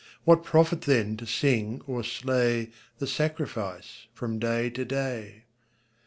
What profit, then, to sing or slay The sacrifice from day to day?